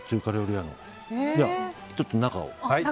では、ちょっと中を。